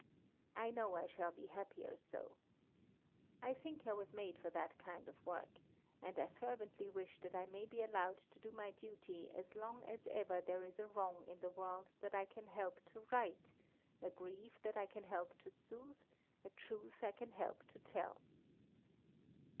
I know I shall be happier so. I think I was made for that kind of work, and I fervently wish that I may be allowed to do my duty as long as ever there is a wrong in the world that I can help to right, a grief I can help to soothe, a truth I can help to tell.